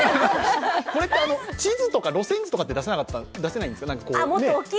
これって地図とか路線図とか出せないんですか？